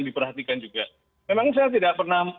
diperhatikan juga memang saya tidak pernah